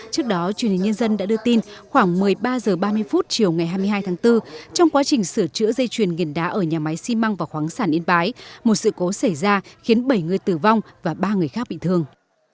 trước đó truyền hình nhân dân đã đưa tin khoảng một mươi ba h ba mươi chiều ngày hai mươi hai tháng bốn trong quá trình sửa chữa dây chuyền nghiền đá ở nhà máy xi măng và khoáng sản yên bái một sự cố xảy ra khiến bảy người tử vong và ba người khác bị thương